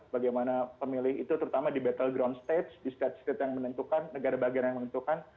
bagaimana pemilih itu terutama di battle ground stage di state state yang menentukan negara bagian yang menentukan